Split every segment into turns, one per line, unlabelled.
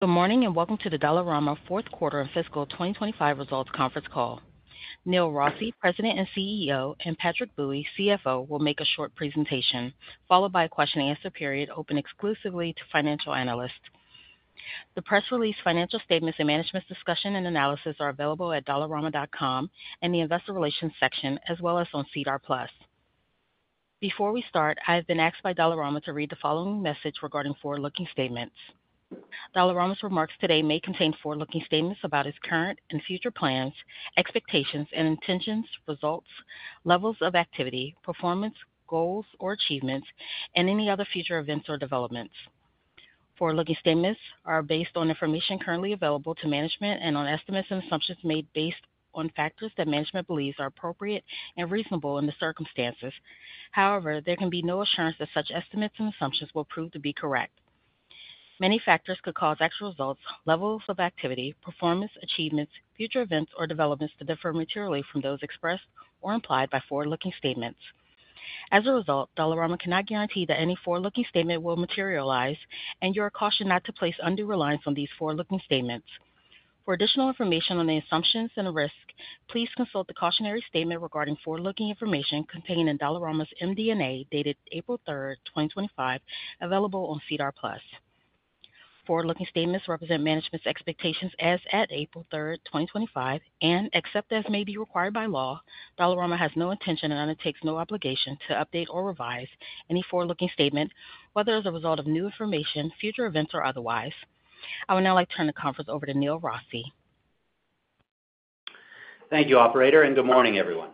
Good morning and welcome to the Dollarama Fourth Quarter and Fiscal 2025 Results Conference Call. Neil Rossy, President and CEO, and Patrick Bui, CFO, will make a short presentation, followed by a question-and-answer period open exclusively to financial analysts. The press release, financial statements, and management's discussion and analysis are available at dollarama.com and the Investor Relations section, as well as on SEDAR+. Before we start, I have been asked by Dollarama to read the following message regarding forward-looking statements. Dollarama's remarks today may contain forward-looking statements about its current and future plans, expectations and intentions, results, levels of activity, performance, goals, or achievements, and any other future events or developments. Forward-looking statements are based on information currently available to management and on estimates and assumptions made based on factors that management believes are appropriate and reasonable in the circumstances. However, there can be no assurance that such estimates and assumptions will prove to be correct. Many factors could cause actual results, levels of activity, performance, achievements, future events, or developments to differ materially from those expressed or implied by forward-looking statements. As a result, Dollarama cannot guarantee that any forward-looking statement will materialize, and you are cautioned not to place undue reliance on these forward-looking statements. For additional information on the assumptions and risk, please consult the cautionary statement regarding forward-looking information contained in Dollarama's MD&A dated April 3, 2025, available on SEDAR+. Forward-looking statements represent management's expectations as at April 3, 2025, and, except as may be required by law, Dollarama has no intention and undertakes no obligation to update or revise any forward-looking statement, whether as a result of new information, future events, or otherwise. I would now like to turn the conference over to Neil Rossy.
Thank you, Operator, and good morning, everyone.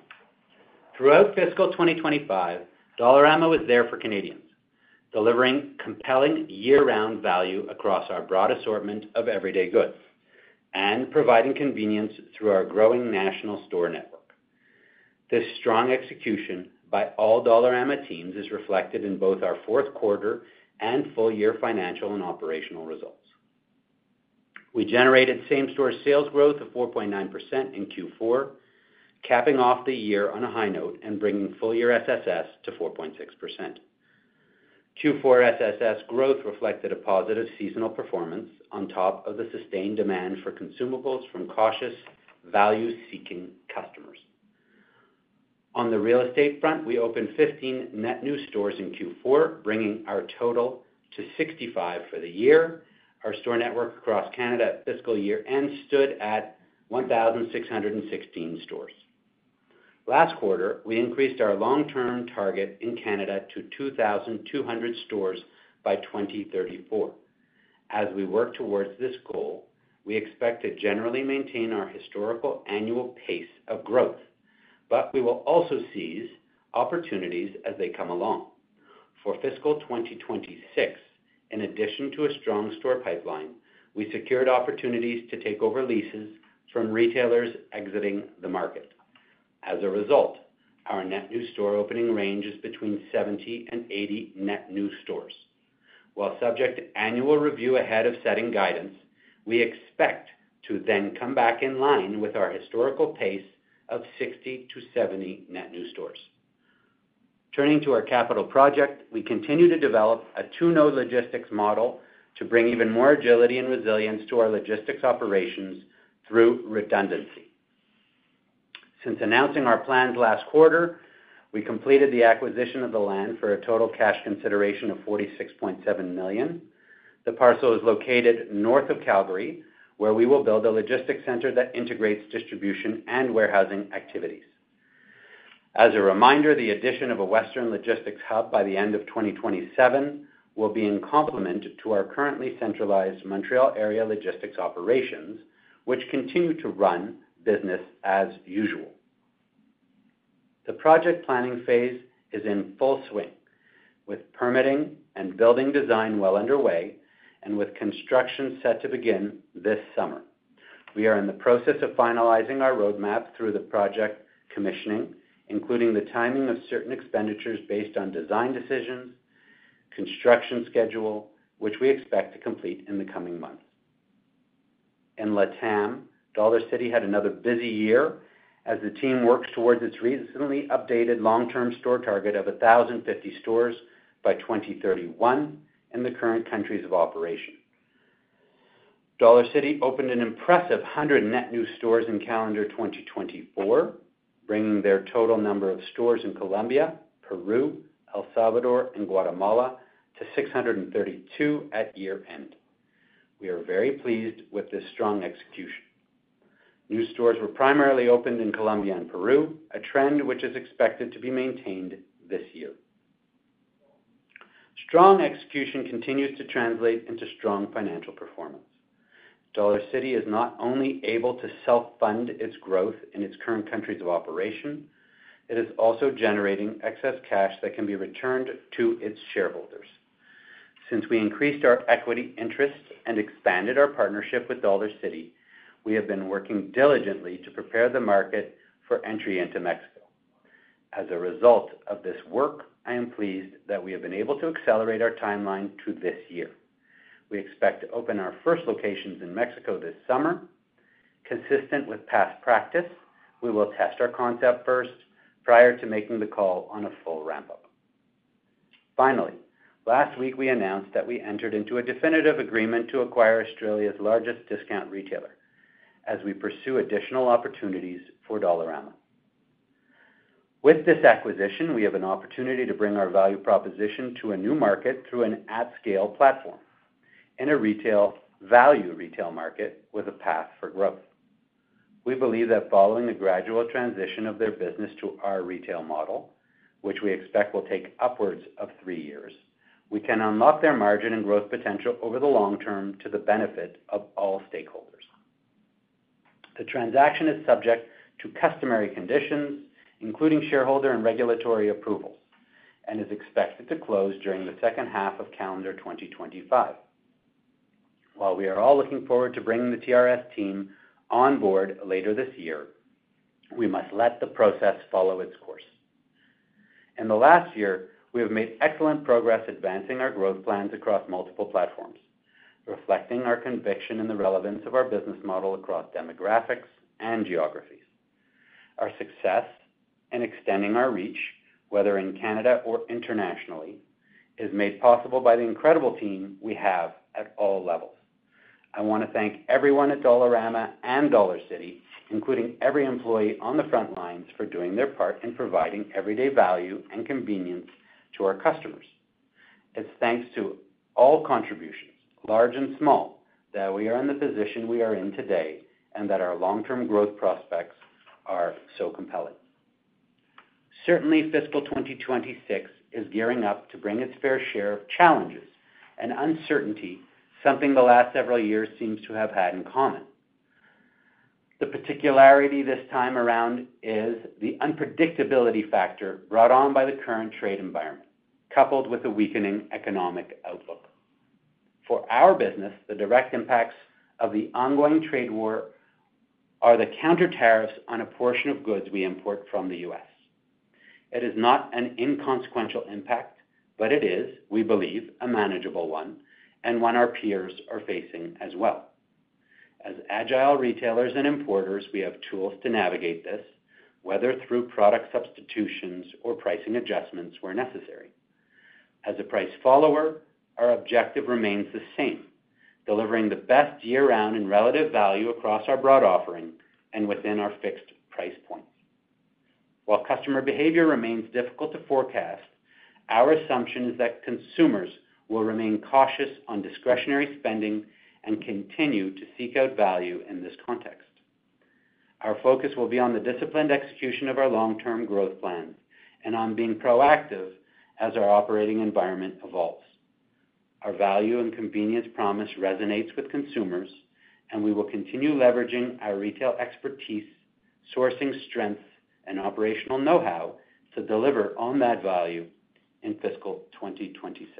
Throughout fiscal 2025, Dollarama was there for Canadians, delivering compelling year-round value across our broad assortment of everyday goods and providing convenience through our growing national store network. This strong execution by all Dollarama teams is reflected in both our fourth quarter and full-year financial and operational results. We generated same-store sales growth of 4.9% in Q4, capping off the year on a high note and bringing full-year SSS to 4.6%. Q4 SSS growth reflected a positive seasonal performance on top of the sustained demand for consumables from cautious, value-seeking customers. On the real estate front, we opened 15 net new stores in Q4, bringing our total to 65 for the year. Our store network across Canada at fiscal year-end stood at 1,616 stores. Last quarter, we increased our long-term target in Canada to 2,200 stores by 2034. As we work towards this goal, we expect to generally maintain our historical annual pace of growth, but we will also seize opportunities as they come along. For fiscal 2026, in addition to a strong store pipeline, we secured opportunities to take over leases from retailers exiting the market. As a result, our net new store opening range is between 70 and 80 net new stores. While subject to annual review ahead of setting guidance, we expect to then come back in line with our historical pace of 60-70 net new stores. Turning to our capital project, we continue to develop a two-node logistics model to bring even more agility and resilience to our logistics operations through redundancy. Since announcing our plans last quarter, we completed the acquisition of the land for a total cash consideration of 46.7 million. The parcel is located north of Calgary, where we will build a logistics center that integrates distribution and warehousing activities. As a reminder, the addition of a Western Logistics Hub by the end of 2027 will be in complement to our currently centralized Montréal area logistics operations, which continue to run business as usual. The project planning phase is in full swing, with permitting and building design well underway and with construction set to begin this summer. We are in the process of finalizing our roadmap through the project commissioning, including the timing of certain expenditures based on design decisions and construction schedule, which we expect to complete in the coming months. In LatAm, Dollarcity had another busy year as the team works towards its recently updated long-term store target of 1,050 stores by 2031 in the current countries of operation. Dollarcity opened an impressive 100 net new stores in calendar 2024, bringing their total number of stores in Colombia, Peru, El Salvador, and Guatemala to 632 at year-end. We are very pleased with this strong execution. New stores were primarily opened in Colombia and Peru, a trend which is expected to be maintained this year. Strong execution continues to translate into strong financial performance. Dollarcity is not only able to self-fund its growth in its current countries of operation, it is also generating excess cash that can be returned to its shareholders. Since we increased our equity interest and expanded our partnership with Dollarcity, we have been working diligently to prepare the market for entry into Mexico. As a result of this work, I am pleased that we have been able to accelerate our timeline to this year. We expect to open our first locations in Mexico this summer. Consistent with past practice, we will test our concept first prior to making the call on a full ramp-up. Finally, last week we announced that we entered into a definitive agreement to acquire Australia's largest discount retailer as we pursue additional opportunities for Dollarama. With this acquisition, we have an opportunity to bring our value proposition to a new market through an at-scale platform in a value retail market with a path for growth. We believe that following the gradual transition of their business to our retail model, which we expect will take upwards of three years, we can unlock their margin and growth potential over the long term to the benefit of all stakeholders. The transaction is subject to customary conditions, including shareholder and regulatory approvals, and is expected to close during the second half of calendar 2025. While we are all looking forward to bringing the TRS team on board later this year, we must let the process follow its course. In the last year, we have made excellent progress advancing our growth plans across multiple platforms, reflecting our conviction in the relevance of our business model across demographics and geographies. Our success in extending our reach, whether in Canada or internationally, is made possible by the incredible team we have at all levels. I want to thank everyone at Dollarama and Dollarcity, including every employee on the front lines, for doing their part in providing everyday value and convenience to our customers. It's thanks to all contributions, large and small, that we are in the position we are in today and that our long-term growth prospects are so compelling. Certainly, fiscal 2026 is gearing up to bring its fair share of challenges and uncertainty, something the last several years seem to have had in common. The particularity this time around is the unpredictability factor brought on by the current trade environment, coupled with a weakening economic outlook. For our business, the direct impacts of the ongoing trade war are the counter tariffs on a portion of goods we import from the U.S. It is not an inconsequential impact, but it is, we believe, a manageable one and one our peers are facing as well. As agile retailers and importers, we have tools to navigate this, whether through product substitutions or pricing adjustments where necessary. As a price follower, our objective remains the same, delivering the best year-round in relative value across our broad offering and within our fixed price points. While customer behavior remains difficult to forecast, our assumption is that consumers will remain cautious on discretionary spending and continue to seek out value in this context. Our focus will be on the disciplined execution of our long-term growth plans and on being proactive as our operating environment evolves. Our value and convenience promise resonates with consumers, and we will continue leveraging our retail expertise, sourcing strength, and operational know-how to deliver on that value in fiscal 2026.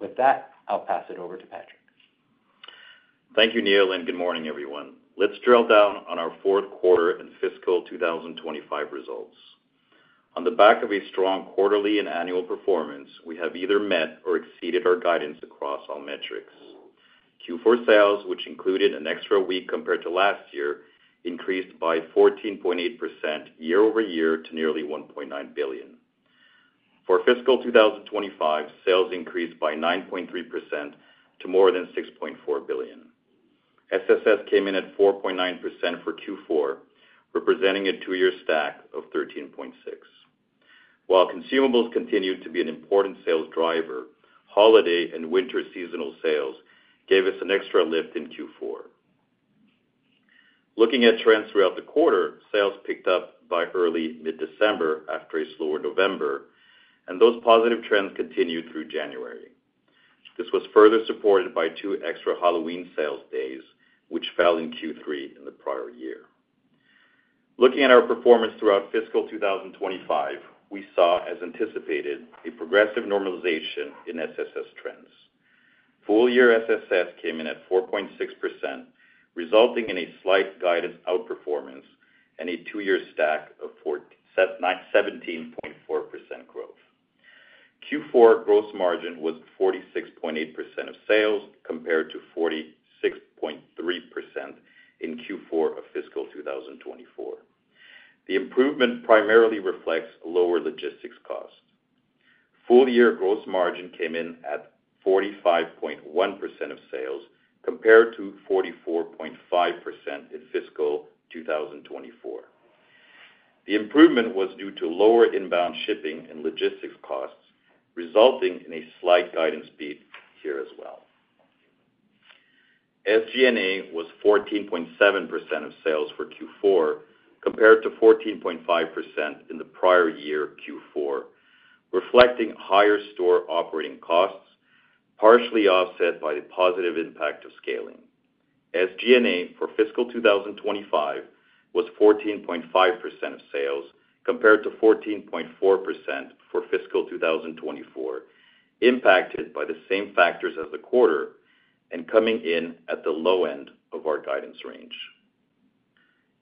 With that, I'll pass it over to Patrick.
Thank you, Neil, and good morning, everyone. Let's drill down on our fourth quarter and fiscal 2025 results. On the back of a strong quarterly and annual performance, we have either met or exceeded our guidance across all metrics. Q4 sales, which included an extra week compared to last year, increased by 14.8% year-over-year to nearly 1.9 billion. For fiscal 2025, sales increased by 9.3% to more than 6.4 billion. SSS came in at 4.9% for Q4, representing a two-year stack of 13.6%. While consumables continued to be an important sales driver, holiday and winter seasonal sales gave us an extra lift in Q4. Looking at trends throughout the quarter, sales picked up by early mid-December after a slower November, and those positive trends continued through January. This was further supported by two extra Halloween sales days, which fell in Q3 in the prior year. Looking at our performance throughout fiscal 2025, we saw, as anticipated, a progressive normalization in SSS trends. Full-year SSS came in at 4.6%, resulting in a slight guidance outperformance and a two-year stack of 17.4% growth. Q4 gross margin was 46.8% of sales compared to 46.3% in Q4 of fiscal 2024. The improvement primarily reflects lower logistics costs. Full-year gross margin came in at 45.1% of sales compared to 44.5% in fiscal 2024. The improvement was due to lower inbound shipping and logistics costs, resulting in a slight guidance beat here as well. SG&A was 14.7% of sales for Q4 compared to 14.5% in the prior year Q4, reflecting higher store operating costs, partially offset by the positive impact of scaling. SG&A for fiscal 2025 was 14.5% of sales compared to 14.4% for fiscal 2024, impacted by the same factors as the quarter and coming in at the low end of our guidance range.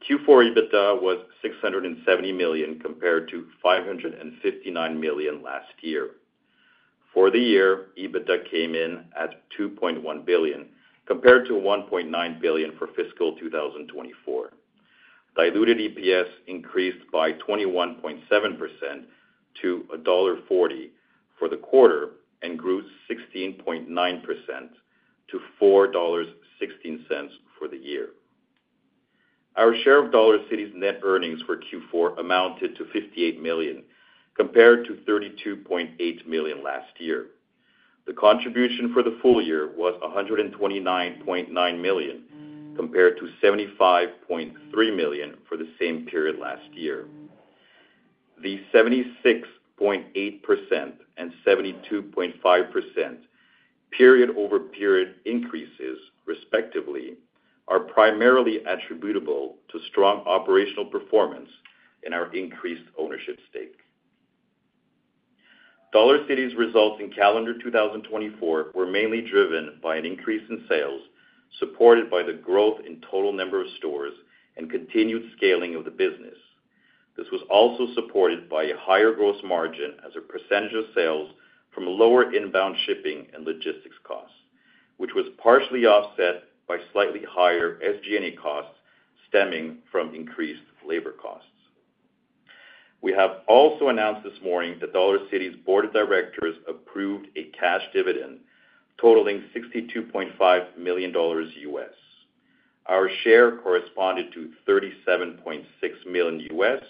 Q4 EBITDA was 670 million compared to 559 million last year. For the year, EBITDA came in at 2.1 billion compared to 1.9 billion for fiscal 2024. Diluted EPS increased by 21.7% to dollar 1.40 for the quarter and grew 16.9% to 4.16 dollars for the year. Our share of Dollarcity's net earnings for Q4 amounted to 58 million compared to 32.8 million last year. The contribution for the full year was 129.9 million compared to 75.3 million for the same period last year. The 76.8% and 72.5% period-over-period increases, respectively, are primarily attributable to strong operational performance and our increased ownership stake. Dollarcity's results in calendar 2024 were mainly driven by an increase in sales supported by the growth in total number of stores and continued scaling of the business. This was also supported by a higher gross margin as a percentage of sales from lower inbound shipping and logistics costs, which was partially offset by slightly higher SG&A costs stemming from increased labor costs. We have also announced this morning that Dollarcity's board of directors approved a cash dividend totaling $62.5 million U.S. Our share corresponded to $37.6 million U.S.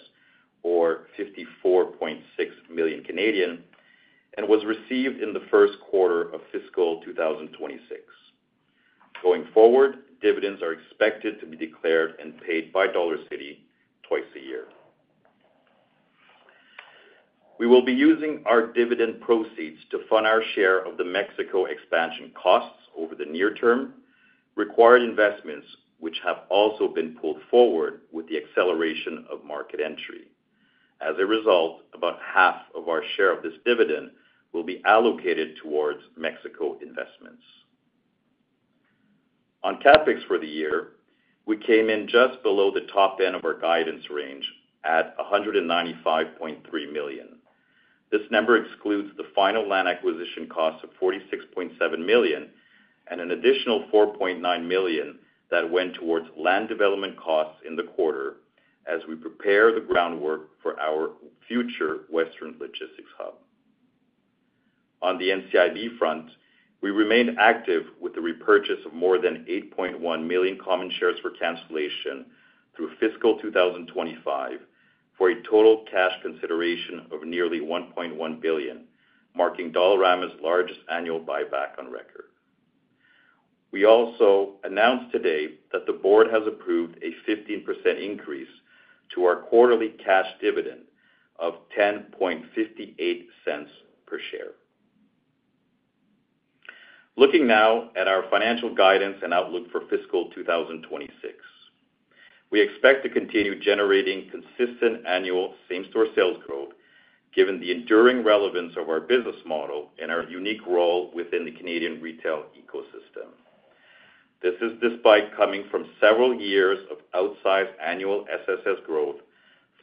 or 54.6 million and was received in the first quarter of fiscal 2026. Going forward, dividends are expected to be declared and paid by Dollarcity twice a year. We will be using our dividend proceeds to fund our share of the Mexico expansion costs over the near term, required investments which have also been pulled forward with the acceleration of market entry. As a result, about half of our share of this dividend will be allocated towards Mexico investments. On CapEx for the year, we came in just below the top end of our guidance range at 195.3 million. This number excludes the final land acquisition cost of 46.7 million and an additional 4.9 million that went towards land development costs in the quarter as we prepare the groundwork for our future Western Logistics Hub. On the NCIB front, we remained active with the repurchase of more than 8.1 million common shares for cancellation through fiscal 2025 for a total cash consideration of nearly 1.1 billion, marking Dollarama's largest annual buyback on record. We also announced today that the board has approved a 15% increase to our quarterly cash dividend of 0.058 per share. Looking now at our financial guidance and outlook for fiscal 2026, we expect to continue generating consistent annual same-store sales growth given the enduring relevance of our business model and our unique role within the Canadian retail ecosystem. This is despite coming from several years of outsized annual SSS growth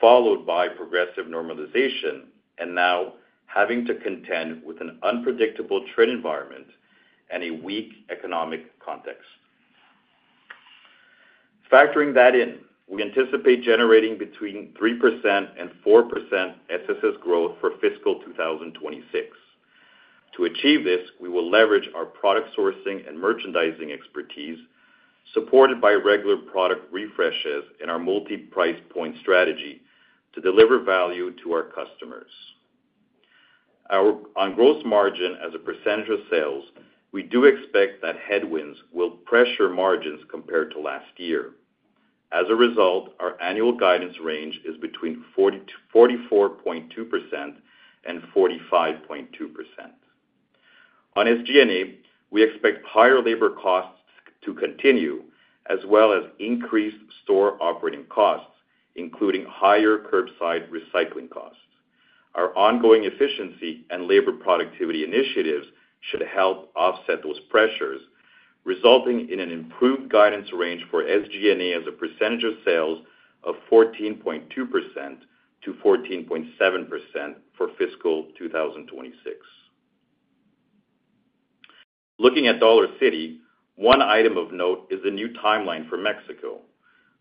followed by progressive normalization and now having to contend with an unpredictable trade environment and a weak economic context. Factoring that in, we anticipate generating between 3% and 4% SSS growth for fiscal 2026. To achieve this, we will leverage our product sourcing and merchandising expertise supported by regular product refreshes in our multi-price point strategy to deliver value to our customers. On gross margin as a percentage of sales, we do expect that headwinds will pressure margins compared to last year. As a result, our annual guidance range is between 44.2% and 45.2%. On SG&A, we expect higher labor costs to continue as well as increased store operating costs, including higher curbside recycling costs. Our ongoing efficiency and labor productivity initiatives should help offset those pressures, resulting in an improved guidance range for SG&A as a percentage of sales of 14.2%-14.7% for fiscal 2026. Looking at Dollarcity, one item of note is the new timeline for Mexico.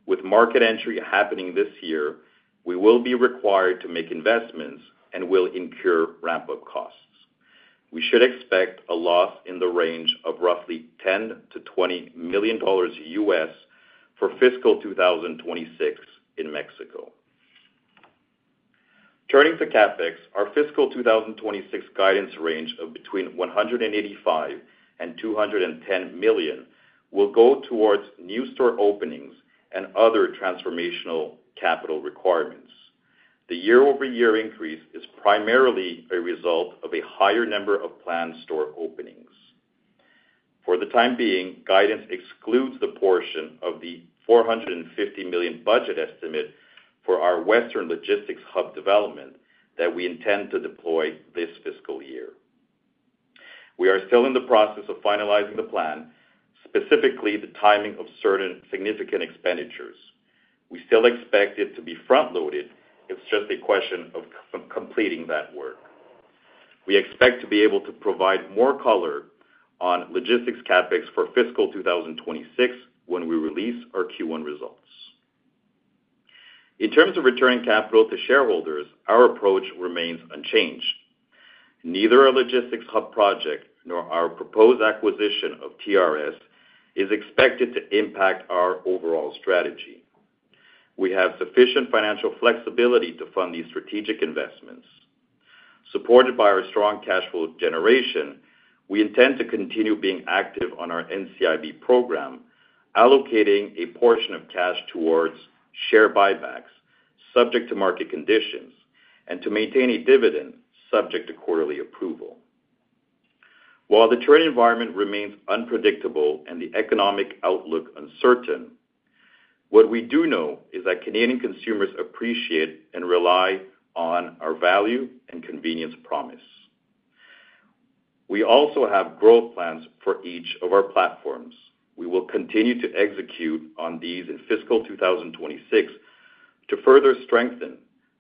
With market entry happening this year, we will be required to make investments and will incur ramp-up costs. We should expect a loss in the range of roughly $10-$20 million U.S. for fiscal 2026 in Mexico. Turning to CapEx, our fiscal 2026 guidance range of between 185 million and 210 million will go towards new store openings and other transformational capital requirements. The year-over-year increase is primarily a result of a higher number of planned store openings. For the time being, guidance excludes the portion of the 450 million budget estimate for our Western Logistics Hub development that we intend to deploy this fiscal year. We are still in the process of finalizing the plan, specifically the timing of certain significant expenditures. We still expect it to be front-loaded. It's just a question of completing that work. We expect to be able to provide more color on logistics CapEx for fiscal 2026 when we release our Q1 results. In terms of returning capital to shareholders, our approach remains unchanged. Neither our logistics hub project nor our proposed acquisition of TRS is expected to impact our overall strategy. We have sufficient financial flexibility to fund these strategic investments. Supported by our strong cash flow generation, we intend to continue being active on our NCIB program, allocating a portion of cash towards share buybacks subject to market conditions and to maintain a dividend subject to quarterly approval. While the trade environment remains unpredictable and the economic outlook uncertain, what we do know is that Canadian consumers appreciate and rely on our value and convenience promise. We also have growth plans for each of our platforms. We will continue to execute on these in fiscal 2026 to further strengthen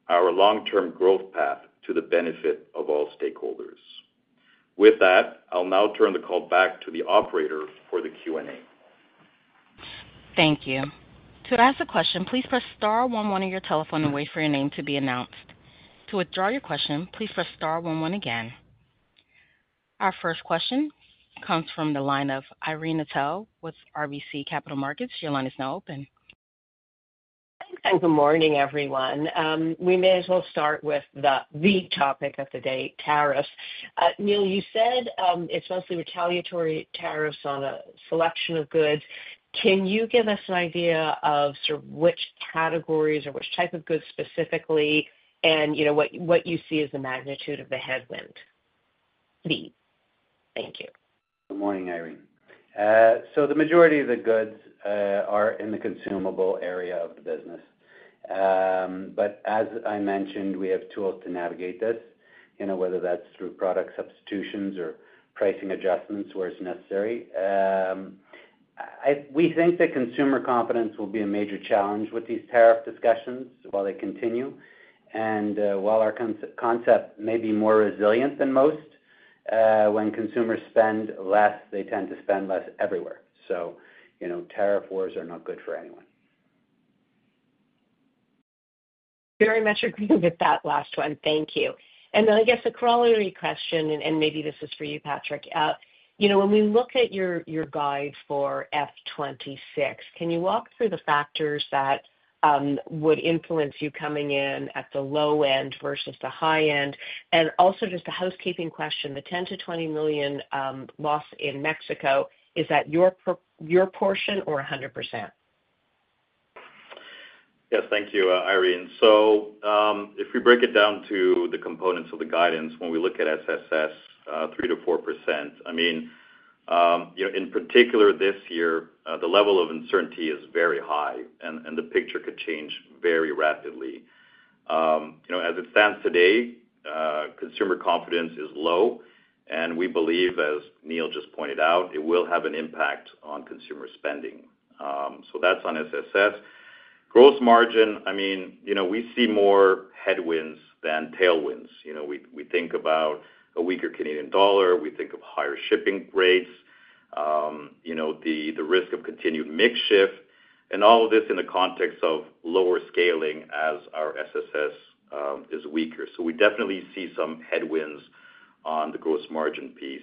our long-term growth path to the benefit of all stakeholders. With that, I'll now turn the call back to the operator for the Q&A.
Thank you. To ask a question, please press star 11 on your telephone and wait for your name to be announced. To withdraw your question, please press star 11 again. Our first question comes from the line of Irene Nattel with RBC Capital Markets. Your line is now open.
Thanks and good morning, everyone. We may as well start with the topic of the day, tariffs. Neil, you said it's mostly retaliatory tariffs on a selection of goods. Can you give us an idea of sort of which categories or which type of goods specifically and what you see as the magnitude of the headwind? Neil, thank you.
Good morning, Irene. The majority of the goods are in the consumable area of the business. As I mentioned, we have tools to navigate this, whether that's through product substitutions or pricing adjustments where it's necessary. We think that consumer confidence will be a major challenge with these tariff discussions while they continue. While our concept may be more resilient than most, when consumers spend less, they tend to spend less everywhere. Tariff wars are not good for anyone.
Very much agree with that last one. Thank you. I guess a corollary question, and maybe this is for you, Patrick. When we look at your guide for F26, can you walk through the factors that would influence you coming in at the low end versus the high end? Also, just a housekeeping question, the 10 million-20 million loss in Mexico, is that your portion or 100%?
Yes, thank you, Irene. If we break it down to the components of the guidance, when we look at SSS, 3%-4%, I mean, in particular this year, the level of uncertainty is very high, and the picture could change very rapidly. As it stands today, consumer confidence is low, and we believe, as Neil just pointed out, it will have an impact on consumer spending. That is on SSS. Gross margin, I mean, we see more headwinds than tailwinds. We think about a weaker Canadian dollar. We think of higher shipping rates, the risk of continued mix shift, and all of this in the context of lower scaling as our SSS is weaker. We definitely see some headwinds on the gross margin piece.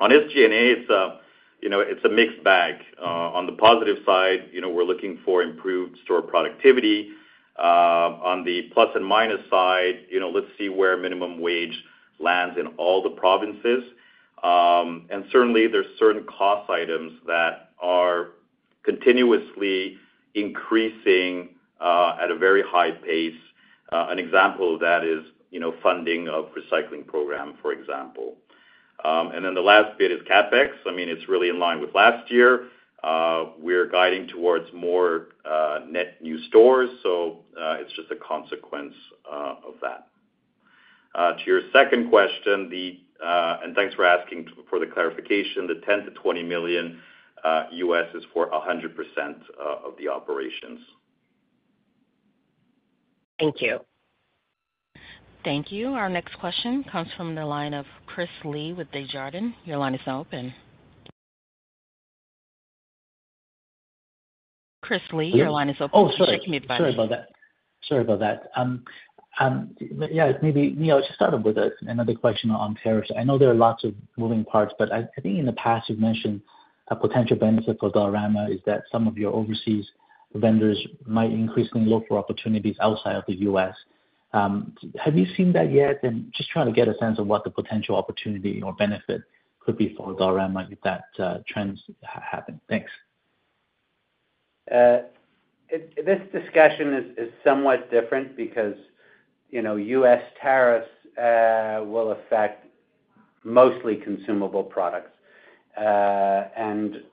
On SG&A, it is a mixed bag. On the positive side, we are looking for improved store productivity. On the plus and minus side, let's see where minimum wage lands in all the provinces. There are certain cost items that are continuously increasing at a very high pace. An example of that is funding of recycling programs, for example. The last bit is CapEx. I mean, it's really in line with last year. We're guiding towards more net new stores, so it's just a consequence of that. To your second question, and thanks for asking for the clarification, the $10 million-$20 million U.S. is for 100% of the operations.
Thank you.
Thank you. Our next question comes from the line of Chris Li with Desjardins. Your line is now open. Chris Li, your line is open too.
Oh, sorry. Sorry about that. Yeah, maybe, Neil, to start off with another question on tariffs. I know there are lots of moving parts, but I think in the past you've mentioned a potential benefit for Dollarama is that some of your overseas vendors might increasingly look for opportunities outside of the U.S. Have you seen that yet? Just trying to get a sense of what the potential opportunity or benefit could be for Dollarama if that trend happens. Thanks.
This discussion is somewhat different because U.S. tariffs will affect mostly consumable products.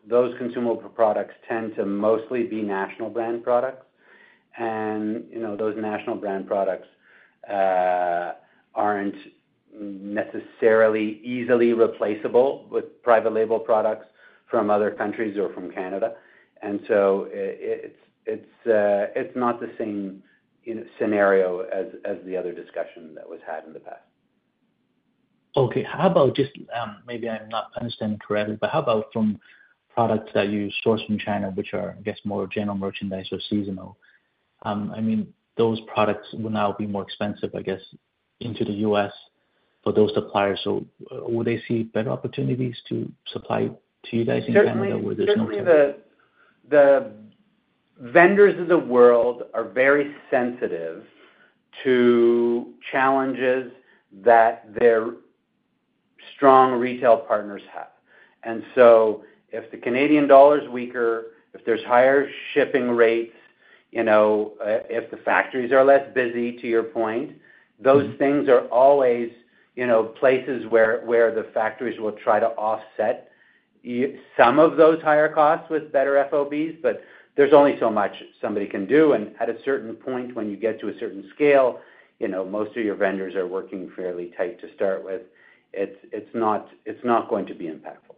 Those consumable products tend to mostly be national brand products. Those national brand products are not necessarily easily replaceable with private label products from other countries or from Canada. It is not the same scenario as the other discussion that was had in the past.
Okay. How about just maybe I'm not understanding correctly, but how about from products that you source from China, which are, I guess, more general merchandise or seasonal? I mean, those products will now be more expensive, I guess, into the U.S. for those suppliers. Will they see better opportunities to supply to you guys in Canada where there's no?
Certainly, certainly the vendors of the world are very sensitive to challenges that their strong retail partners have. If the Canadian dollar is weaker, if there are higher shipping rates, if the factories are less busy, to your point, those things are always places where the factories will try to offset some of those higher costs with better FOBs. There is only so much somebody can do. At a certain point, when you get to a certain scale, most of your vendors are working fairly tight to start with. It is not going to be impactful.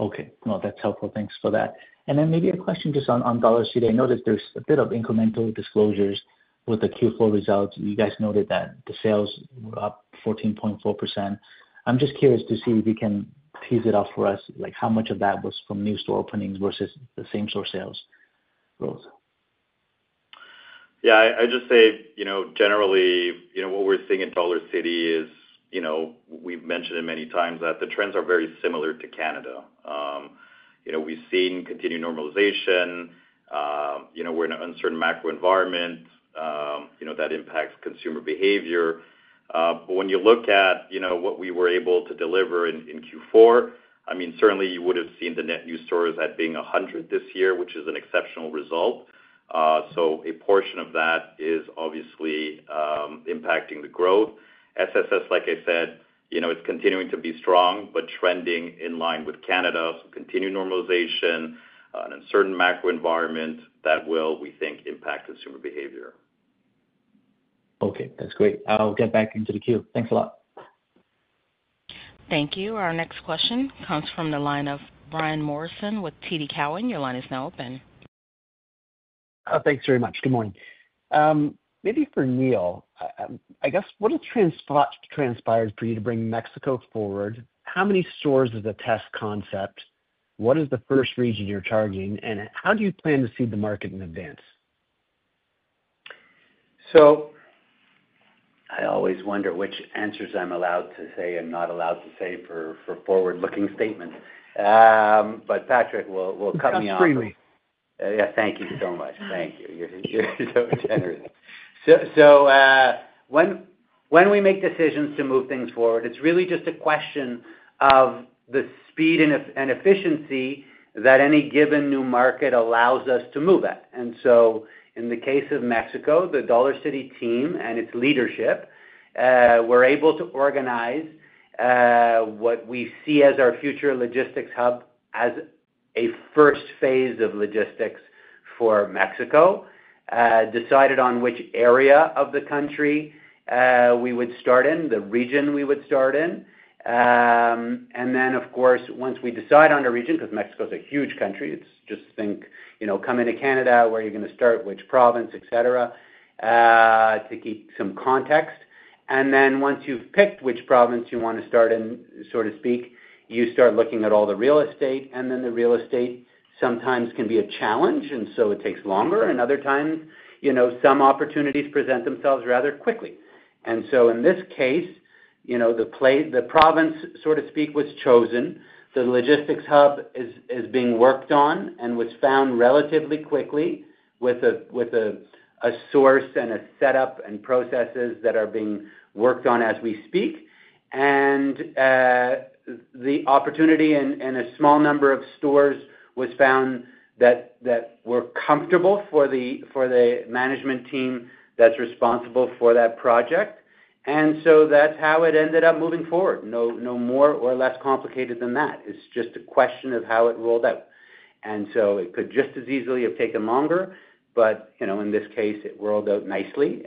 Okay. No, that's helpful. Thanks for that. Maybe a question just on Dollarcity. I noticed there's a bit of incremental disclosures with the Q4 results. You guys noted that the sales were up 14.4%. I'm just curious to see if you can tease it off for us, how much of that was from new store openings versus the same-store sales growth?
Yeah, I'd just say, generally, what we're seeing in Dollarcity is we've mentioned it many times that the trends are very similar to Canada. We've seen continued normalization. We're in an uncertain macro environment. That impacts consumer behavior. When you look at what we were able to deliver in Q4, I mean, certainly you would have seen the net new stores at being 100 this year, which is an exceptional result. A portion of that is obviously impacting the growth. SSS, like I said, it's continuing to be strong, but trending in line with Canada. Continued normalization, an uncertain macro environment that will, we think, impact consumer behavior.
Okay. That's great. I'll get back into the queue. Thanks a lot.
Thank you. Our next question comes from the line of Brian Morrison with TD Cowen. Your line is now open.
Thanks very much. Good morning. Maybe for Neil, I guess, what has transpired for you to bring Mexico forward? How many stores is a test concept? What is the first region you're targeting? How do you plan to see the market in advance?
I always wonder which answers I'm allowed to say and not allowed to say for forward-looking statements. Patrick will cut me off.
Absolutely.
Yeah. Thank you so much. Thank you. You're so generous. When we make decisions to move things forward, it's really just a question of the speed and efficiency that any given new market allows us to move at. In the case of Mexico, the Dollarcity team and its leadership were able to organize what we see as our future logistics hub as a first phase of logistics for Mexico, decided on which area of the country we would start in, the region we would start in. Of course, once we decide on a region, because Mexico is a huge country, it's just think, come into Canada, where are you going to start, which province, etc., to keep some context. Once you've picked which province you want to start in, so to speak, you start looking at all the real estate. The real estate sometimes can be a challenge, and so it takes longer. Other times, some opportunities present themselves rather quickly. In this case, the province, so to speak, was chosen. The logistics hub is being worked on and was found relatively quickly with a source and a setup and processes that are being worked on as we speak. The opportunity in a small number of stores was found that were comfortable for the management team that is responsible for that project. That is how it ended up moving forward. No more or less complicated than that. It is just a question of how it rolled out. It could just as easily have taken longer, but in this case, it rolled out nicely.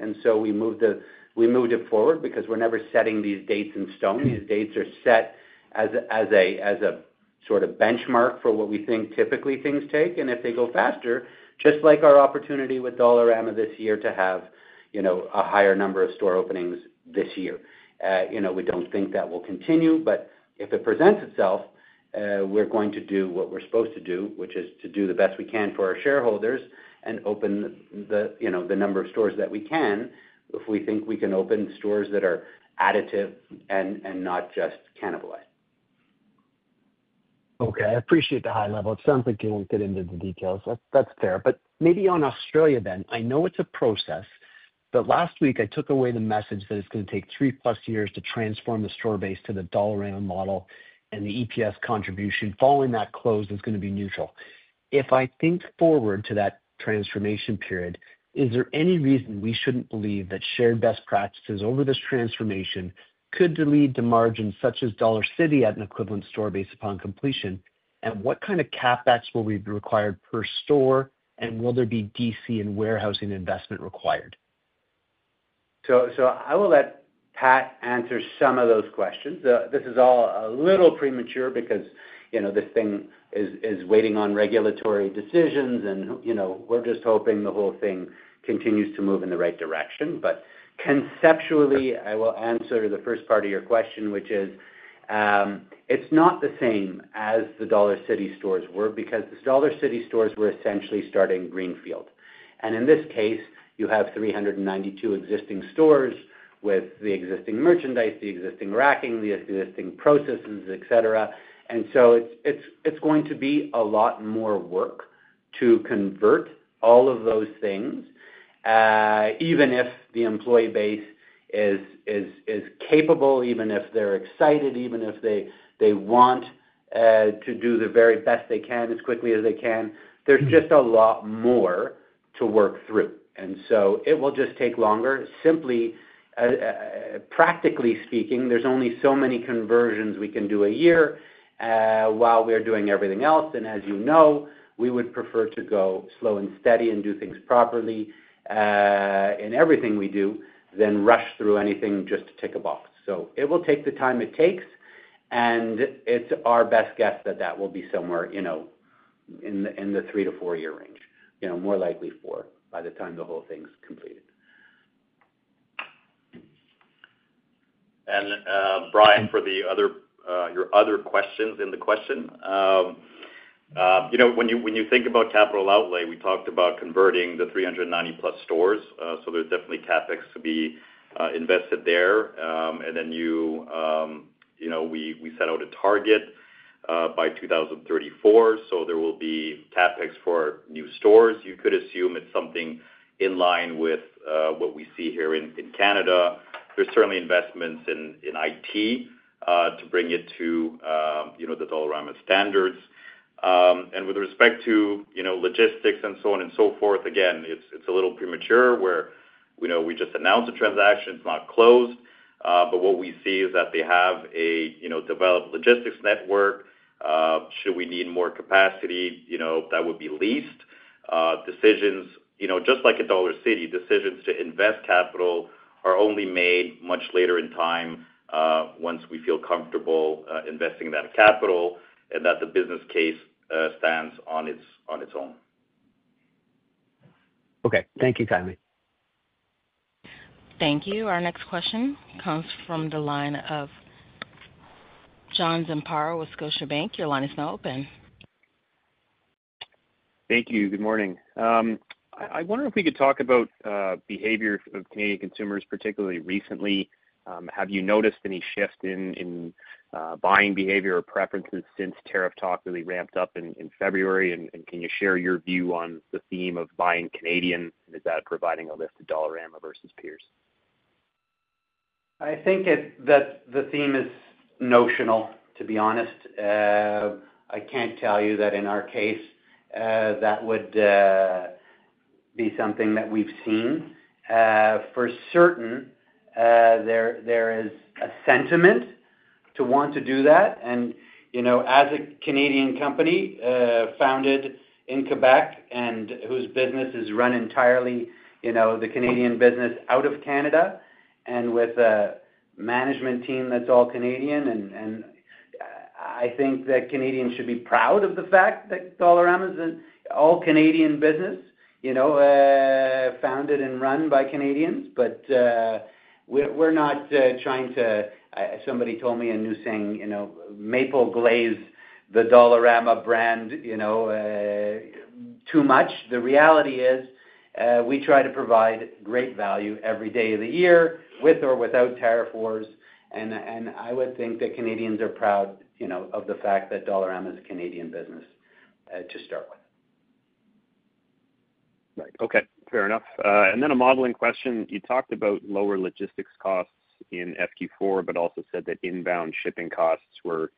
We moved it forward because we are never setting these dates in stone. These dates are set as a sort of benchmark for what we think typically things take. If they go faster, just like our opportunity with Dollarama this year to have a higher number of store openings this year, we do not think that will continue. If it presents itself, we are going to do what we are supposed to do, which is to do the best we can for our shareholders and open the number of stores that we can if we think we can open stores that are additive and not just cannibalize.
Okay. I appreciate the high level. It sounds like you won't get into the details. That's fair. Maybe on Australia then, I know it's a process, but last week, I took away the message that it's going to take three-plus years to transform the store base to the Dollarama model and the EPS contribution. Following that close, it's going to be neutral. If I think forward to that transformation period, is there any reason we shouldn't believe that shared best practices over this transformation could lead to margins such as Dollarcity at an equivalent store base upon completion? What kind of CapEx will be required per store? Will there be DC and warehousing investment required?
I will let Pat answer some of those questions. This is all a little premature because this thing is waiting on regulatory decisions, and we're just hoping the whole thing continues to move in the right direction. Conceptually, I will answer the first part of your question, which is it's not the same as the Dollarcity stores were because the Dollarcity stores were essentially starting greenfield. In this case, you have 392 existing stores with the existing merchandise, the existing racking, the existing processes, etc. It is going to be a lot more work to convert all of those things, even if the employee base is capable, even if they're excited, even if they want to do the very best they can as quickly as they can. There's just a lot more to work through. It will just take longer. Simply, practically speaking, there's only so many conversions we can do a year while we're doing everything else. And as you know, we would prefer to go slow and steady and do things properly in everything we do than rush through anything just to tick a box. It will take the time it takes. It's our best guess that that will be somewhere in the three to four-year range, more likely four by the time the whole thing's completed.
Brian, for your other questions in the question, when you think about capital outlay, we talked about converting the 390-plus stores. There is definitely CapEx to be invested there. We set out a target by 2034. There will be CapEx for new stores. You could assume it is something in line with what we see here in Canada. There are certainly investments in IT to bring it to the Dollarama standards. With respect to logistics and so on and so forth, again, it is a little premature where we just announced a transaction. It is not closed. What we see is that they have a developed logistics network. Should we need more capacity, that would be lease decisions. Just like at Dollarcity, decisions to invest capital are only made much later in time once we feel comfortable investing that capital and that the business case stands on its own.
Okay. Thank you, kindly.
Thank you. Our next question comes from the line of John Zamparo with Scotiabank. Your line is now open.
Thank you. Good morning. I wonder if we could talk about behavior of Canadian consumers, particularly recently. Have you noticed any shift in buying behavior or preferences since tariff talk really ramped up in February? Can you share your view on the theme of buying Canadian? Is that providing a lift to Dollarama versus peers?
I think that the theme is notional, to be honest. I can't tell you that in our case that would be something that we've seen. For certain, there is a sentiment to want to do that. As a Canadian company founded in Quebec and whose business is run entirely, the Canadian business out of Canada and with a management team that's all Canadian, I think that Canadians should be proud of the fact that Dollarama is an all Canadian business founded and run by Canadians. We're not trying to—somebody told me a new saying—maple glaze the Dollarama brand too much. The reality is we try to provide great value every day of the year with or without tariff wars. I would think that Canadians are proud of the fact that Dollarama is a Canadian business to start with.
Right. Okay. Fair enough. A modeling question. You talked about lower logistics costs in FQ4, but also said that inbound shipping costs were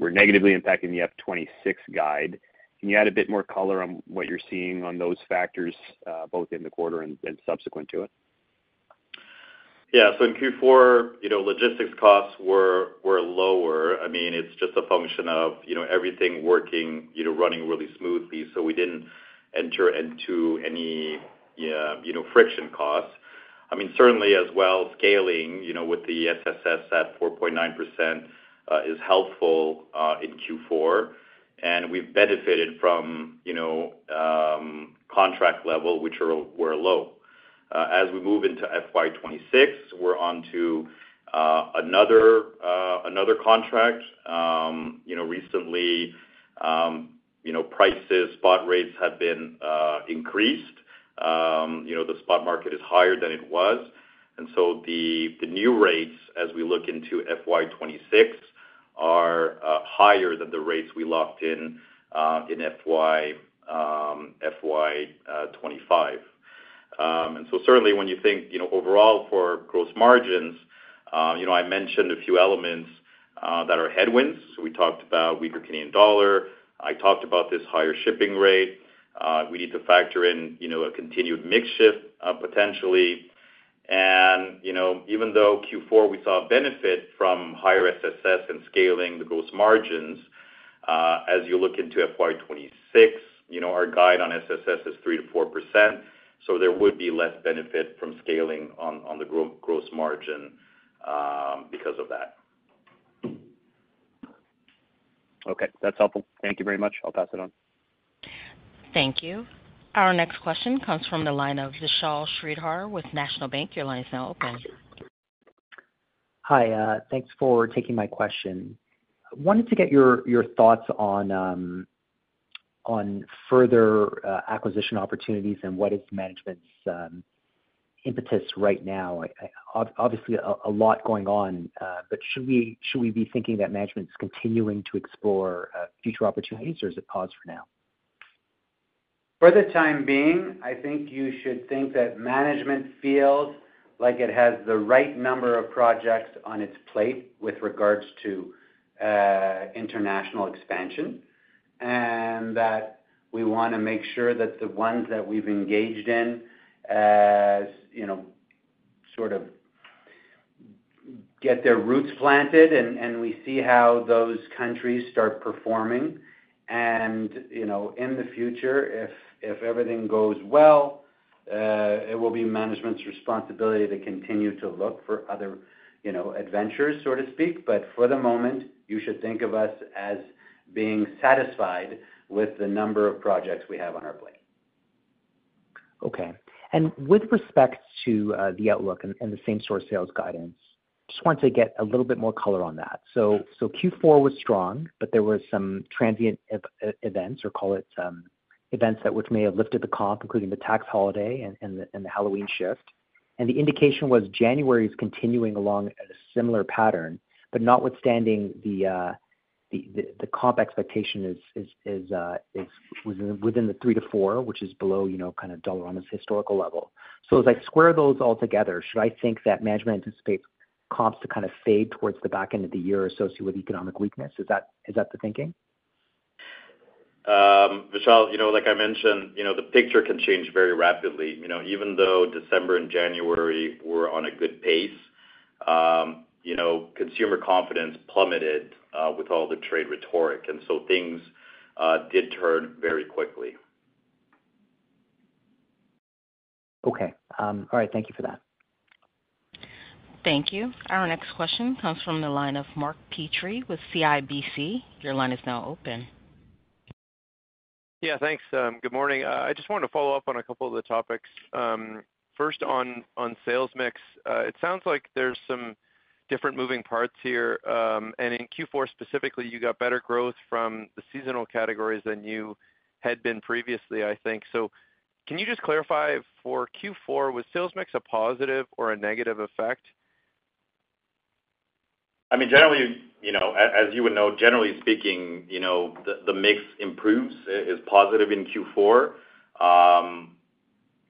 negatively impacting the F26 guide. Can you add a bit more color on what you're seeing on those factors, both in the quarter and subsequent to it?
Yeah. In Q4, logistics costs were lower. I mean, it's just a function of everything working, running really smoothly. We didn't enter into any friction costs. I mean, certainly as well, scaling with the SSS at 4.9% is helpful in Q4. We've benefited from contract level, which were low. As we move into FY2026, we're onto another contract. Recently, prices, spot rates have been increased. The spot market is higher than it was. The new rates, as we look into FY2026, are higher than the rates we locked in in FY2025. Certainly, when you think overall for gross margins, I mentioned a few elements that are headwinds. We talked about weaker Canadian dollar. I talked about this higher shipping rate. We need to factor in a continued mix shift potentially. Even though in Q4, we saw a benefit from higher SSS and scaling the gross margins, as you look into FY2026, our guide on SSS is 3-4%. There would be less benefit from scaling on the gross margin because of that.
Okay. That's helpful. Thank you very much. I'll pass it on.
Thank you. Our next question comes from the line of Vishal Shreedhar with National Bank. Your line is now open.
Hi. Thanks for taking my question. I wanted to get your thoughts on further acquisition opportunities and what is management's impetus right now. Obviously, a lot going on, but should we be thinking that management's continuing to explore future opportunities, or is it paused for now?
For the time being, I think you should think that management feels like it has the right number of projects on its plate with regards to international expansion and that we want to make sure that the ones that we've engaged in sort of get their roots planted and we see how those countries start performing. In the future, if everything goes well, it will be management's responsibility to continue to look for other adventures, so to speak. For the moment, you should think of us as being satisfied with the number of projects we have on our plate.
Okay. With respect to the outlook and the same-store sales guidance, just wanted to get a little bit more color on that. Q4 was strong, but there were some transient events, or call it events that may have lifted the comp, including the tax holiday and the Halloween shift. The indication was January is continuing along a similar pattern, but notwithstanding, the comp expectation was within the 3%-4%, which is below kind of Dollarama's historical level. As I square those all together, should I think that management anticipates comps to kind of fade towards the back end of the year associated with economic weakness? Is that the thinking?
Vishal, like I mentioned, the picture can change very rapidly. Even though December and January were on a good pace, consumer confidence plummeted with all the trade rhetoric. Things did turn very quickly.
Okay. All right. Thank you for that.
Thank you. Our next question comes from the line of Mark Petrie with CIBC. Your line is now open.
Yeah. Thanks. Good morning. I just wanted to follow up on a couple of the topics. First, on sales mix, it sounds like there's some different moving parts here. In Q4 specifically, you got better growth from the seasonal categories than you had been previously, I think. Can you just clarify for Q4, was sales mix a positive or a negative effect?
I mean, as you would know, generally speaking, the mix improves. It is positive in Q4.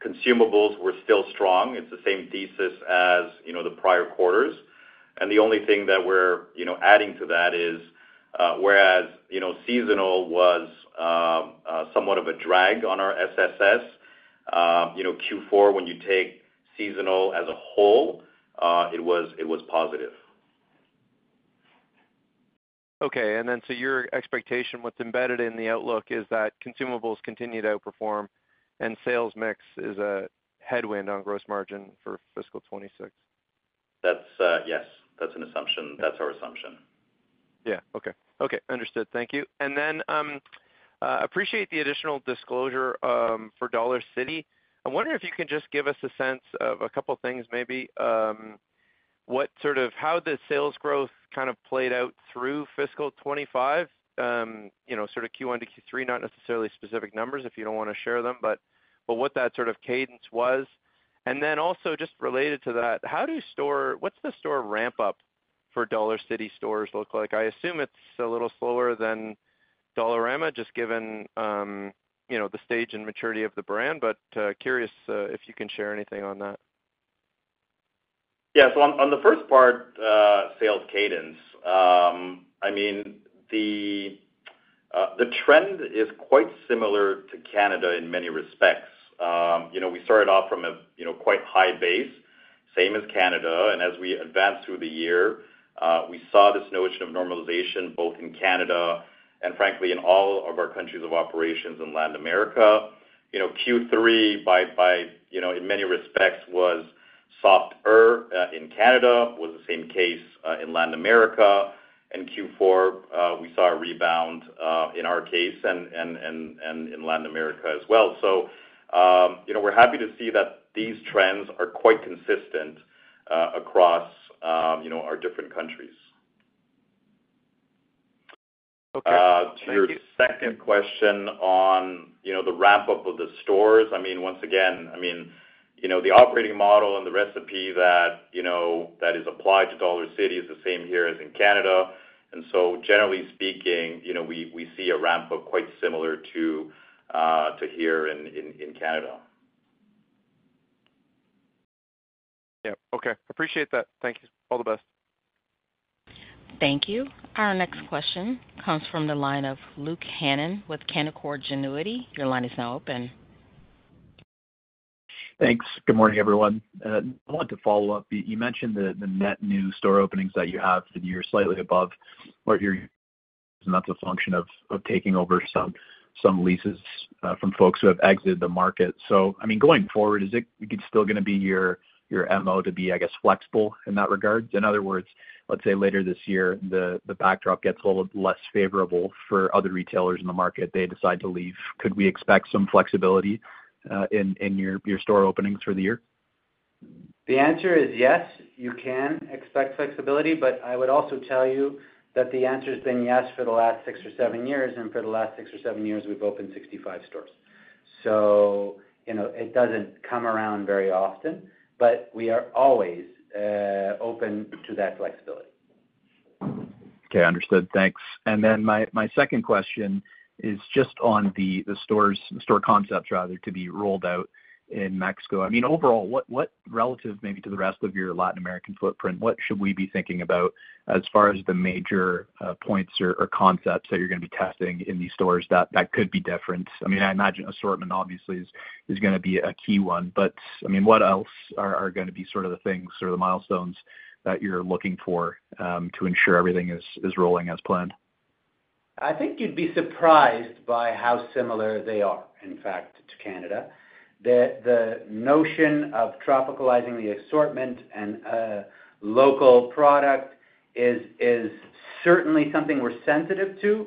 Consumables were still strong. It's the same thesis as the prior quarters. The only thing that we're adding to that is whereas seasonal was somewhat of a drag on our SSS, Q4, when you take seasonal as a whole, it was positive.
Okay. Your expectation, what's embedded in the outlook, is that consumables continue to outperform and sales mix is a headwind on gross margin for fiscal 2026?
Yes. That's our assumption.
Yeah. Okay. Okay. Understood. Thank you. I appreciate the additional disclosure for Dollarcity. I wonder if you can just give us a sense of a couple of things maybe. How the sales growth kind of played out through fiscal 2025, sort of Q1 to Q3, not necessarily specific numbers if you do not want to share them, but what that sort of cadence was. Also, just related to that, how do store—what is the store ramp-up for Dollarcity stores look like? I assume it is a little slower than Dollarama, just given the stage and maturity of the brand, but curious if you can share anything on that.
Yeah. On the first part, sales cadence, I mean, the trend is quite similar to Canada in many respects. We started off from a quite high base, same as Canada. As we advanced through the year, we saw this notion of normalization both in Canada and, frankly, in all of our countries of operations in Latin America. Q3, in many respects, was softer in Canada. It was the same case in Latin America. Q4, we saw a rebound in our case and in Latin America as well. We are happy to see that these trends are quite consistent across our different countries.
Okay. Thank you.
To your second question on the ramp-up of the stores, I mean, once again, I mean, the operating model and the recipe that is applied to Dollarcity is the same here as in Canada. And so, generally speaking, we see a ramp-up quite similar to here in Canada.
Yeah. Okay. Appreciate that. Thank you. All the best.
Thank you. Our next question comes from the line of Luke Hannan with Canaccord Genuity. Your line is now open.
Thanks. Good morning, everyone. I wanted to follow up. You mentioned the net new store openings that you have for the year slightly above what you're using. That's a function of taking over some leases from folks who have exited the market. I mean, going forward, is it still going to be your MO to be, I guess, flexible in that regard? In other words, let's say later this year, the backdrop gets a little less favorable for other retailers in the market. They decide to leave. Could we expect some flexibility in your store openings for the year?
The answer is yes. You can expect flexibility. I would also tell you that the answer has been yes for the last six or seven years. For the last six or seven years, we've opened 65 stores. It does not come around very often, but we are always open to that flexibility.
Okay. Understood. Thanks. My second question is just on the store concepts, rather, to be rolled out in Mexico. I mean, overall, relative maybe to the rest of your Latin American footprint, what should we be thinking about as far as the major points or concepts that you're going to be testing in these stores that could be different? I mean, I imagine assortment, obviously, is going to be a key one. I mean, what else are going to be sort of the things or the milestones that you're looking for to ensure everything is rolling as planned?
I think you'd be surprised by how similar they are, in fact, to Canada. The notion of tropicalizing the assortment and local product is certainly something we're sensitive to.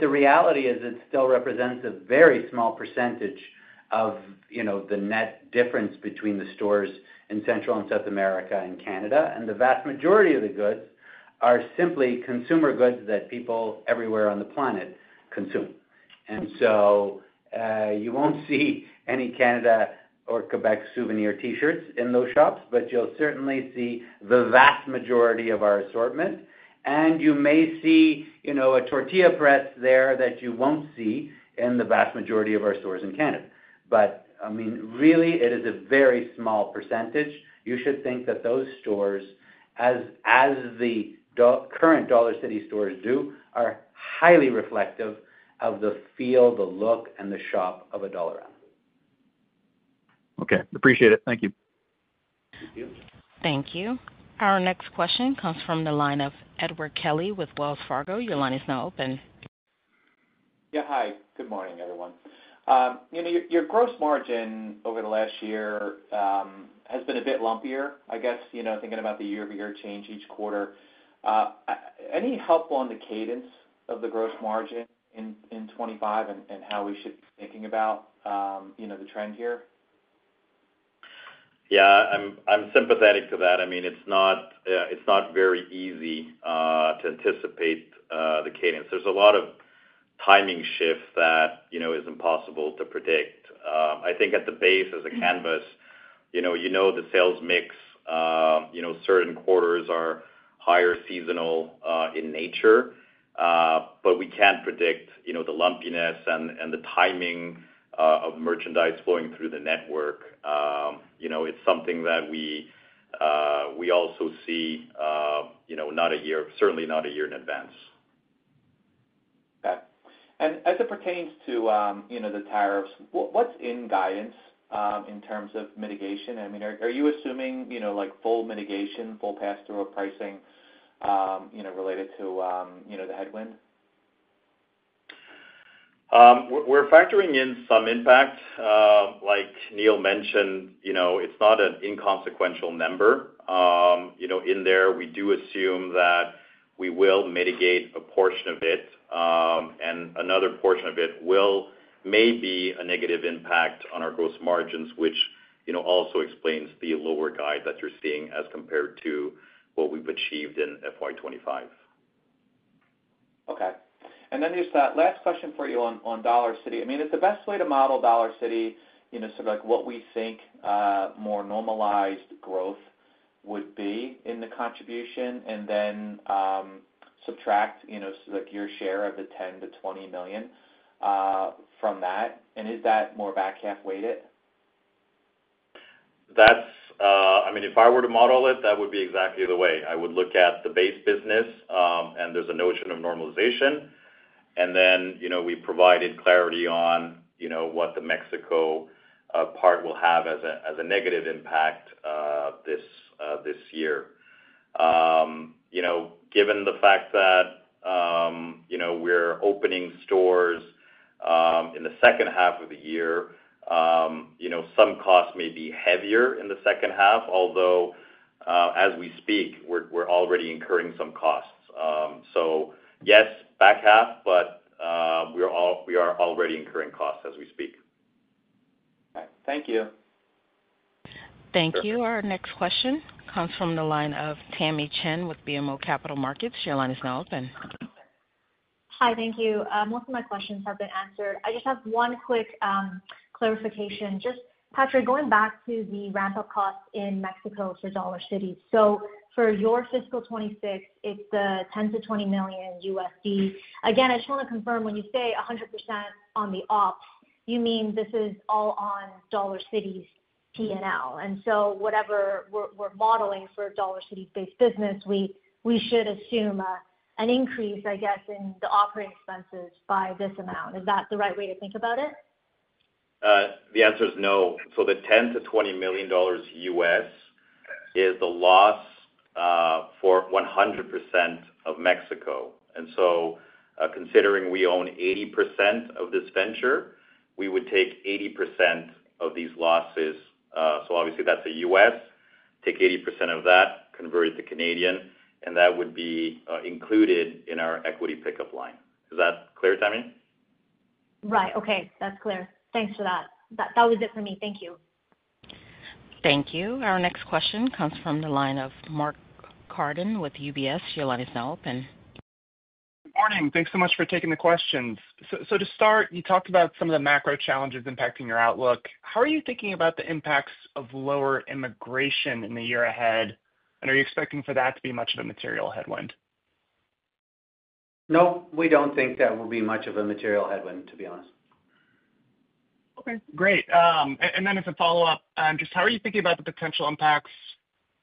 The reality is it still represents a very small percentage of the net difference between the stores in Central and South America and Canada. The vast majority of the goods are simply consumer goods that people everywhere on the planet consume. You won't see any Canada or Quebec souvenir T-shirts in those shops, but you'll certainly see the vast majority of our assortment. You may see a tortilla press there that you won't see in the vast majority of our stores in Canada. I mean, really, it is a very small percentage. You should think that those stores, as the current Dollarcity stores do, are highly reflective of the feel, the look, and the shop of a Dollarama.
Okay. Appreciate it. Thank you.
Thank you.
Thank you. Our next question comes from the line of Edward Kelly with Wells Fargo. Your line is now open.
Yeah. Hi. Good morning, everyone. Your gross margin over the last year has been a bit lumpier, I guess, thinking about the year-over-year change each quarter. Any help on the cadence of the gross margin in 2025 and how we should be thinking about the trend here?
Yeah. I'm sympathetic to that. I mean, it's not very easy to anticipate the cadence. There's a lot of timing shift that is impossible to predict. I think at the base, as a canvas, you know the sales mix. Certain quarters are higher seasonal in nature, but we can't predict the lumpiness and the timing of merchandise flowing through the network. It's something that we also see certainly not a year in advance.
Okay. As it pertains to the tariffs, what's in guidance in terms of mitigation? I mean, are you assuming full mitigation, full pass-through of pricing related to the headwind?
We're factoring in some impact. Like Neil mentioned, it's not an inconsequential number. In there, we do assume that we will mitigate a portion of it, and another portion of it will maybe be a negative impact on our gross margins, which also explains the lower guide that you're seeing as compared to what we've achieved in FY2025.
Okay. And then just that last question for you on Dollarcity. I mean, is the best way to model Dollarcity sort of what we think more normalized growth would be in the contribution and then subtract your share of the 10-20 million from that? And is that more back half-weighted?
I mean, if I were to model it, that would be exactly the way. I would look at the base business, and there's a notion of normalization. And then we provided clarity on what the Mexico part will have as a negative impact this year. Given the fact that we're opening stores in the second half of the year, some costs may be heavier in the second half, although as we speak, we're already incurring some costs. Yes, back half, but we are already incurring costs as we speak.
Okay. Thank you.
Thank you. Our next question comes from the line of Tamy Chen with BMO Capital Markets. Your line is now open.
Hi. Thank you. Most of my questions have been answered. I just have one quick clarification. Just, Patrick, going back to the ramp-up costs in Mexico for Dollarcity. For your fiscal 2026, it's the $10-20 million USD. Again, I just want to confirm when you say 100% on the ops, you mean this is all on Dollarcity's P&L. Whatever we're modeling for Dollarcity-based business, we should assume an increase, I guess, in the operating expenses by this amount. Is that the right way to think about it?
The answer is no. The $10 million-$20 million U.S. is the loss for 100% of Mexico. Considering we own 80% of this venture, we would take 80% of these losses. Obviously, that's U.S. Take 80% of that, convert it to CAD, and that would be included in our equity pickup line. Is that clear, Tamy?
Right. Okay. That's clear. Thanks for that. That was it for me. Thank you.
Thank you. Our next question comes from the line of Mark Carden with UBS. Your line is now open.
Good morning. Thanks so much for taking the questions. To start, you talked about some of the macro challenges impacting your outlook. How are you thinking about the impacts of lower immigration in the year ahead? Are you expecting for that to be much of a material headwind?
No, we don't think that will be much of a material headwind, to be honest.
Okay. Great. As a follow-up, just how are you thinking about the potential impacts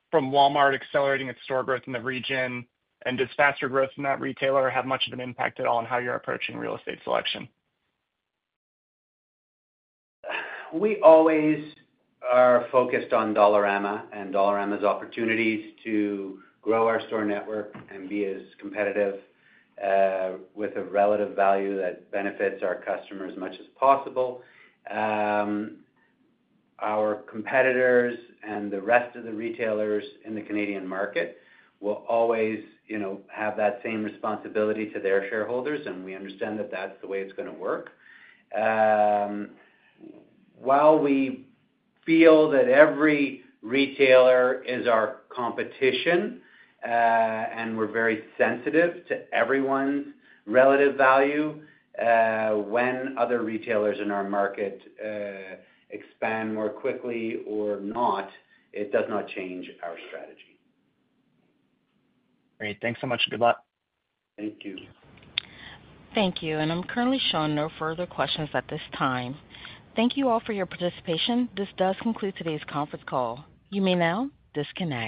from Walmart accelerating its store growth in the region? Does faster growth from that retailer have much of an impact at all on how you're approaching real estate selection?
We always are focused on Dollarama and Dollarama's opportunities to grow our store network and be as competitive with a relative value that benefits our customers as much as possible. Our competitors and the rest of the retailers in the Canadian market will always have that same responsibility to their shareholders. We understand that that's the way it's going to work. While we feel that every retailer is our competition and we're very sensitive to everyone's relative value, when other retailers in our market expand more quickly or not, it does not change our strategy.
Great. Thanks so much. Good luck.
Thank you.
Thank you. I am currently showing no further questions at this time. Thank you all for your participation. This does conclude today's conference call. You may now disconnect.